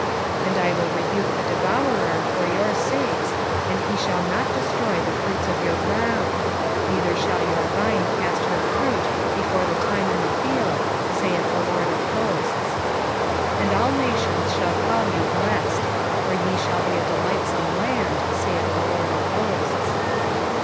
3:11 And I will rebuke the devourer for your sakes, and he shall not destroy the fruits of your ground; neither shall your vine cast her fruit before the time in the field, saith the LORD of hosts. 3:12 And all nations shall call you blessed: for ye shall be a delightsome land, saith the LORD of hosts.